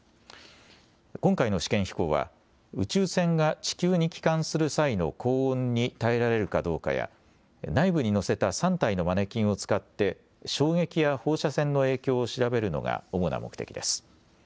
今回の試験飛行は、宇宙船が地球に帰還する際の高温に耐えられるかどうかや、内部に載せた３体のマネキンを使って、衝撃や放射線の影響を調べるのが主な目的です。